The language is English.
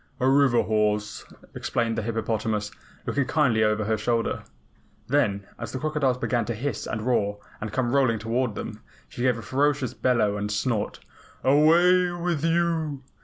"A river horse," explained the hippopotamus, looking kindly over her shoulder. Then, as the crocodiles began to hiss and roar and come rolling toward them, she gave a ferocious bellow and snort. "Away with you!